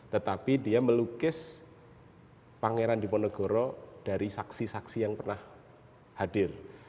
tetapi dia melukis pangeran diponegoro dari saksi saksi yang pernah hadir